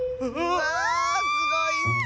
⁉わあすごいッス！